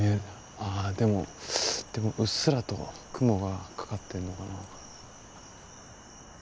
ああでもうっすらと雲がかかってんのかなぁ。